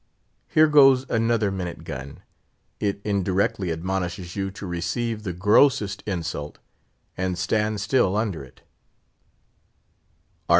Here goes another minute gun. It indirectly admonishes you to receive the grossest insult, and stand still under it: Art.